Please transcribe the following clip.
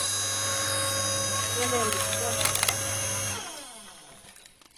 uzela imepigwa marufuku katika mashindano hayo